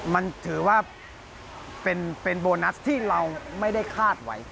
มันถือว่าเป็นโบนัสที่เราไม่ได้คาดไว้